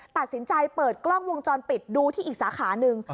ตัดสินใจเปิดกล้องวงจรปิดดูที่อีกสาขาหนึ่ง